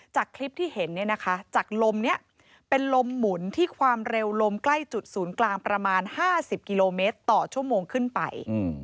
จากคลิปที่เห็นจากลมนี้เป็นลมหมุนที่ความเร็วลมใกล้จุดศูนย์กลางประมาณ๕๐กิโลเมตรต่อชั่วโมงขึ้นไป